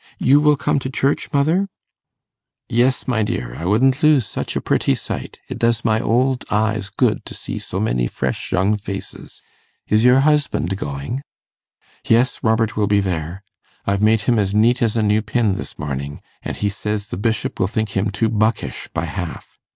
You will come to church, mother?' 'Yes, my dear, I wouldn't lose such a pretty sight. It does my old eyes good to see so many fresh young faces. Is your husband going?' 'Yes, Robert will be there. I've made him as neat as a new pin this morning, and he says the Bishop will think him too buckish by half.